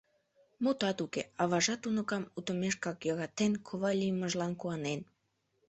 Мутат уке, аважат уныкам утымешкак йӧратен, кова лиймыжлан куанен.